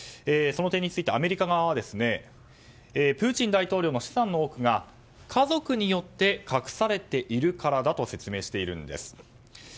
その点についてアメリカ側はプーチン大統領の資産の多くが家族によって隠されているからだと説明しているんです。